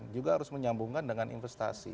juga harus menyambungkan dengan investasi